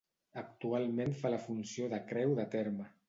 Actualment fa la funció de creu de terme.